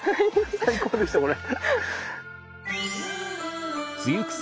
最高でしたこれ。